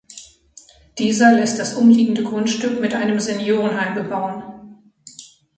Dieser lässt das umliegende Grundstück mit einem Seniorenheim bebauen.